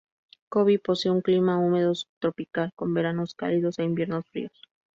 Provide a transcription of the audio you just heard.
Kobe posee un clima húmedo subtropical con veranos cálidos e inviernos fríos.